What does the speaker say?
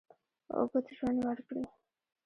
اوږد ژوند ورکړي.